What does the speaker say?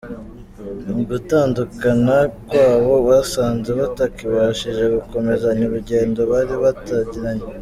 Mu gutandukana kwabo basanze batakibashije gukomezanya urugendo bari batangiranye .